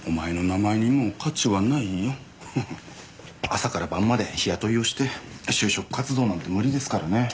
朝から晩まで日雇いをして就職活動なんて無理ですからね。